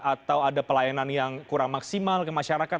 atau ada pelayanan yang kurang maksimal ke masyarakat